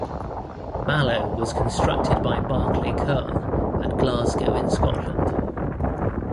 "Mallow" was constructed by Barclay Curle at Glasgow in Scotland.